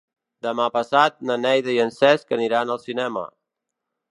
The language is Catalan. Demà passat na Neida i en Cesc aniran al cinema.